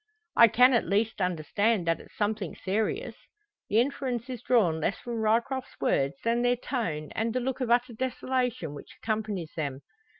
"I can at least understand that it's something serious." The inference is drawn less from Ryecroft's words than their tone and the look of utter desolation which accompanies them.